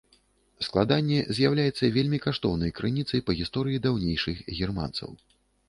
Складанне з'яўляецца вельмі каштоўнай крыніцай па гісторыі даўнейшых германцаў.